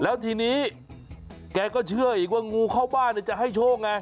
แล้วทีนี้แกก็เชื่ออีกว่างูเข้าบ้านจะให้โชคไง